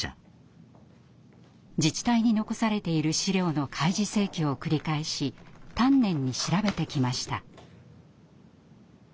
自治体に残されている資料の開示請求を繰り返し丹念に調べてきました。